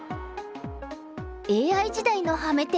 ＡＩ時代のハメ手